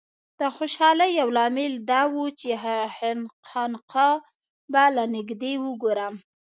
د خوشالۍ یو لامل دا و چې خانقاه به له نږدې وګورم.